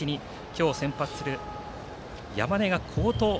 今日先発する、山根が好投。